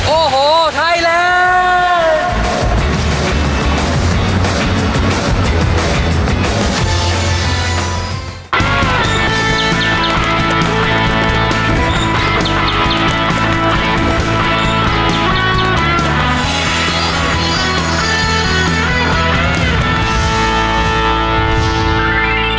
โอ้โหไทยแลนด์